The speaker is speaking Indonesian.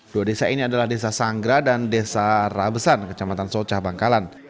dua desa ini adalah desa sanggra dan desa rabesan kecamatan socah bangkalan